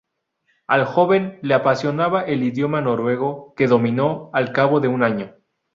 Al joven le apasionaba el idioma noruego, que dominó al cabo de un año.